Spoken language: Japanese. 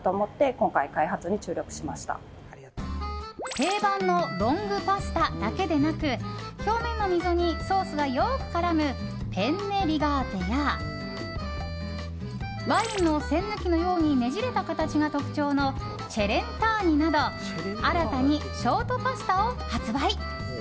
定番のロングパスタだけでなく表面の溝にソースがよく絡むペンネ・リガーテやワインの栓抜きのようにねじれた形が特徴のチェレンターニなど新たにショートパスタを発売。